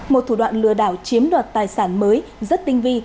một thủ đoạn lừa đảo chiếm đoạt tài sản mới rất tinh vi